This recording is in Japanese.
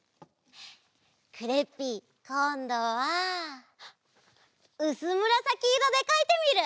クレッピーこんどはうすむらさきいろでかいてみる！